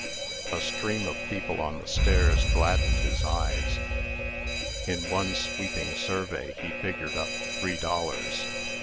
A stream of people on the stairs gladdened his eyes. In one sweeping survey, he figured up three dollars.